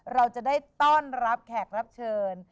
เราจะได้ต้อนรับแขกรับเชิญ